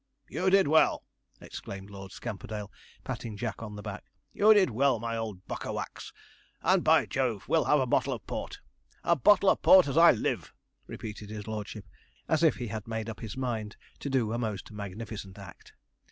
'You did well,' exclaimed Lord Scamperdale, patting Jack on the back; 'you did well, my old buck o' wax; and, by Jove! we'll have a bottle of port a bottle of port, as I live,' repeated his lordship, as if he had made up his mind to do a most magnificent act.